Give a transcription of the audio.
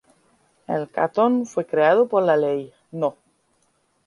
El cantón fue creado por la ley No.